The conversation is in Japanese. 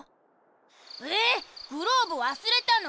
えグローブわすれたの？